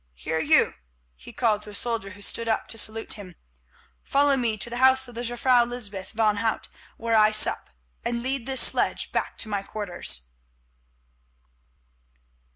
Here, you," he called to a soldier who stood up to salute him, "follow me to the house of the Jufvrouw Lysbeth van Hout, where I sup, and lead this sledge back to my quarters."